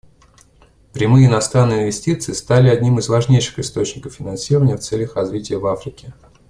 Прямые иностранные инвестиции стали одним из важнейших источников финансирования в целях развития в Африке.